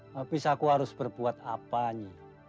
habis aku harus berbuat apanya